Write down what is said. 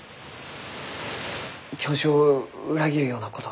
教授を裏切るようなことは。